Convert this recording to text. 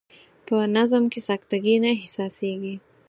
په نظم کې سکته ګي نه احساسیږي.